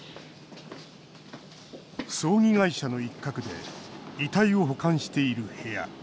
葬儀会社の一角で遺体を保管している部屋。